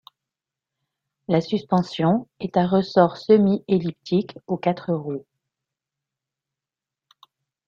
La suspension est à ressorts semi-elliptiques aux quatre roues.